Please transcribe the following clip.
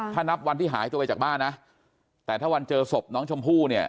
ถ้านับวันที่หายตัวไปจากบ้านนะแต่ถ้าวันเจอศพน้องชมพู่เนี่ย